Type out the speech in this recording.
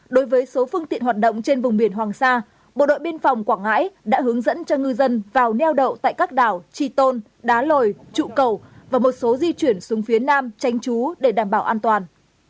đối với số phương tiện hoạt động trên vùng biển hoàng sa bộ đội biên phòng quảng ngãi đã hướng dẫn cho ngư dân vào neo đậu tại các đảo chi tôn đá lồi trụ cầu và một số di chuyển xuống phía nam tránh trú để đảm bảo an toàn